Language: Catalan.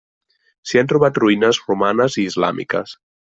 S'hi han trobat ruïnes romanes i islàmiques.